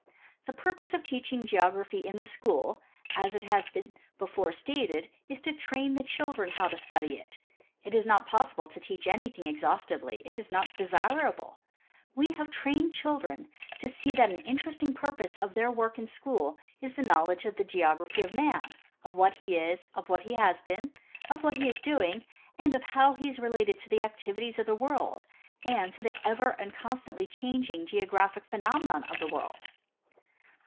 The purpose of teaching geography in the school, as has been before stated, is to train the children how to study it. It is not possible to teach anything exhaustively ; it is not desirable. We have trained the children to see that an interest 152 W. B. Powell — Geographic Instruction. ing purpose of their Avork in school is the knowledge of the geography of man, of what he is, of what he has been, of what he is doing, and of how he is related to the activities of the world, and to the ever and constantly changing geographic phenomena of the world.